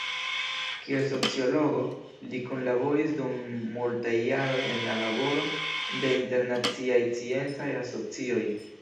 Kiel sociologo, li kunlaboris dum multaj jaroj en la laboro de internaciaj sciencaj asocioj.